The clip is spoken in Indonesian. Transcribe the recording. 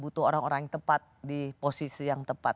butuh orang orang yang tepat di posisi yang tepat